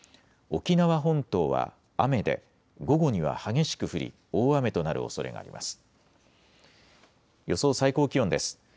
沖縄本島は雨で午後には激しく降り大雨となるおそれがあります。